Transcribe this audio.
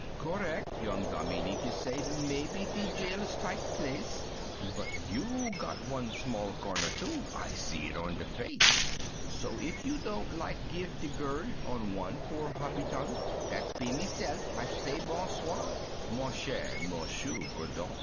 "Correc'," young Dominique is say, "mebbe de jail's tight place, But you got wan small corner, too, I see it on de face, So if you don't lak geev de girl on wan poor habitant, Dat's be mese'f, I say, Bonsoir, mon cher M'sieur Gourdon."